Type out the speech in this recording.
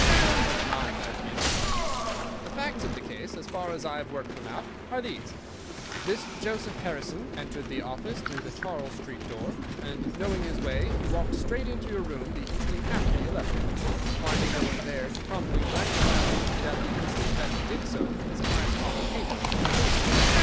"How blind I have been!" "The facts of the case, as far as I have worked them out, are these: this Joseph Harrison entered the office through the Charles Street door, and knowing his way he walked straight into your room the instant after you left it. Finding no one there he promptly rang the bell, and at the instant that he did so his eyes caught the paper upon the table.